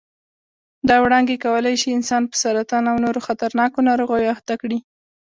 دا وړانګې کولای شي انسان په سرطان او نورو خطرناکو ناروغیو اخته کړي.